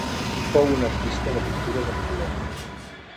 Fou un artista de pintures amb color.